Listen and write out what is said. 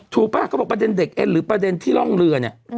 ป่ะเขาบอกประเด็นเด็กเอ็นหรือประเด็นที่ร่องเรือเนี่ย